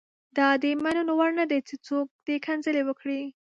دا د منلو وړ نه دي چې څوک دې کنځل وکړي.